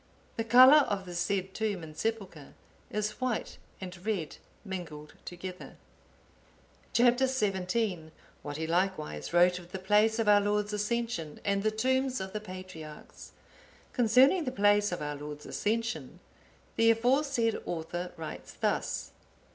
The colour of the said tomb and sepulchre is white and red mingled together."(863) Chap. XVII. What he likewise wrote of the place of our Lord's Ascension, and the tombs of the patriarchs. Concerning the place of our Lord's Ascension, the aforesaid author writes thus.